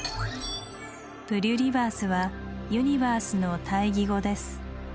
プリュリバースは「ユニバース」の対義語です。